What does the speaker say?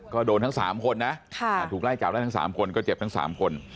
ก็โดนทั้ง๓คนนะถูกไล่จับได้ทั้ง๓คนก็เจ็บทั้ง๓คน